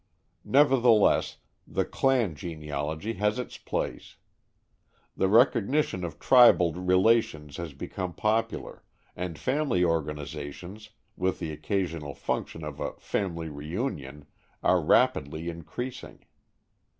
Nevertheless, the "clan" genealogy has its place. The recognition of tribal relations has become popular, and family organizations, with the occasional function of a "family re union," are rapidly increasing.